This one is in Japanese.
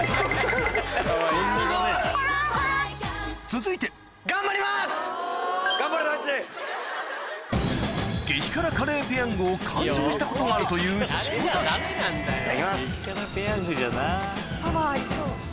続いて激辛カレーペヤングを完食したことがあるといういただきます。